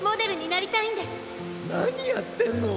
なにやってんの？